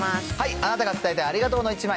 あなたが伝えたいありがとうの１枚。